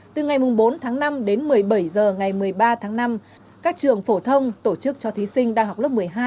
từ ngày bốn tháng năm đến một mươi bảy h ngày một mươi ba tháng năm các trường phổ thông tổ chức cho thí sinh đang học lớp một mươi hai